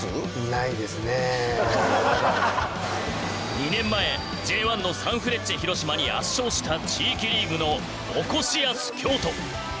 ２年前Ｊ１のサンフレッチェ広島に圧勝した地域リーグのおこしやす京都。